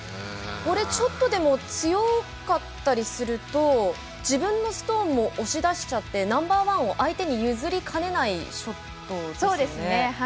これちょっとでも強かったりすると自分のストーンを押し出してちゃってナンバーワンを相手に譲りかねないショットですよね。